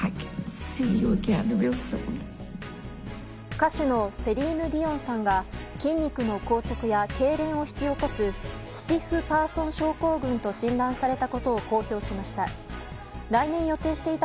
歌手のセリーヌ・ディオンさんが筋肉の硬直やけいれんを引き起こすスティッフパーソン症候群と診断されたことを公表しました。